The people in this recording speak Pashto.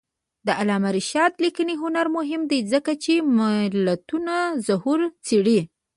د علامه رشاد لیکنی هنر مهم دی ځکه چې ملتونو ظهور څېړي.